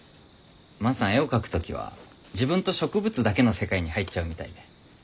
万さん絵を描く時は自分と植物だけの世界に入っちゃうみたいで。